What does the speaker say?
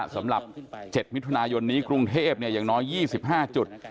สำหรับ๗มิถุนายนนี้กรุงเทพอย่างน้อย๒๕จุด